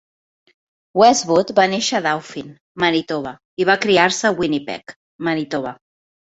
Westwood va néixer a Dauphin, Manitoba, i va criar-se a Winnipeg, Manitoba.